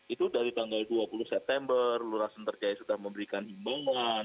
itu dari tanggal dua puluh september lura senterjaya sudah memberikan imbauan